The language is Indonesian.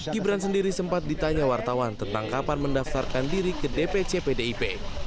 gibran sendiri sempat ditanya wartawan tentang kapan mendaftarkan diri ke dpc pdip